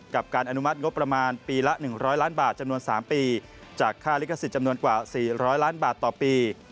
การอนุมัติงบประมาณปีละ๑๐๐ล้านบาทจำนวน๓ปีจากค่าลิขสิทธิ์จำนวนกว่า๔๐๐ล้านบาทต่อปี